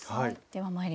はい。